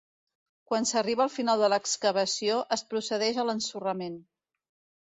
Quan s'arriba al final de l'excavació, es procedeix a l'ensorrament.